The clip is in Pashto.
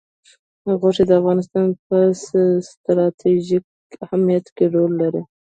غوښې د افغانستان په ستراتیژیک اهمیت کې رول لري.